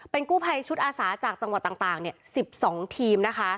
เป็นกู้ไพชุดอาศาจากจังหวัดต่าง๑๒ทีม